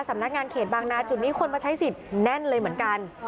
สำนักงานเขตบางนาจุดนี้คนมาใช้สิทธิ์แน่นเลยเหมือนกัน